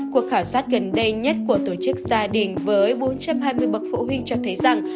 cuộc khảo sát gần đây nhất của tổ chức gia đình với bốn trăm hai mươi bậc phụ huynh cho thấy rằng